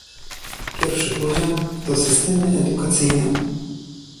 Pierwszy poziom - to systemy edukacyjne